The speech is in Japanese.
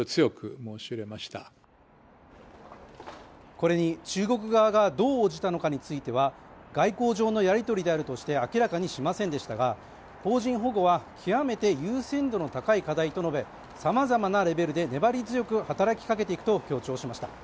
これに中国側がどう応じたのかについては外交上のやりとりであるとして明らかにしませんでしたが、邦人保護は極めて優先度の高い課題と述べ、さまざまなレベルで粘り強く働きかけていくと強調しました。